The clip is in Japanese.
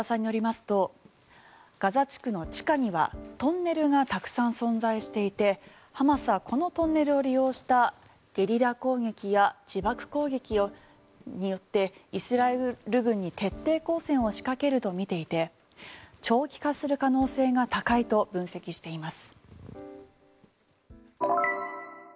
宮田さんによりますとガザ地区の地下にはトンネルがたくさん存在していてハマスはこのトンネルを利用したゲリラ攻撃や自爆攻撃によってイスラエル軍に徹底抗戦を仕掛けると見ていて長期化する可能性が高いと分析しています。